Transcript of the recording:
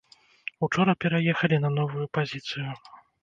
Учора пераехалі на новую пазіцыю.